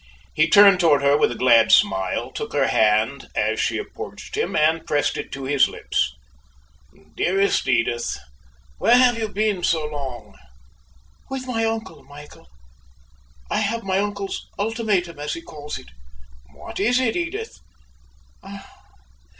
He turned toward her with a glad smile, took her hand as she approached him, and pressed it to his lips. "Dearest Edith, where have you been so long?" "With my uncle, Michael. I have my uncle's 'ultimatum,' as he calls it." "What is it, Edith?" "Ah!